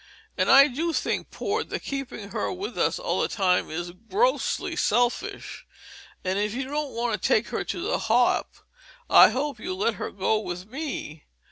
And I do think, Port, that keeping her here with us all the time is grossly selfish; and if you don't want to take her to the hop I hope you'll let her go with me.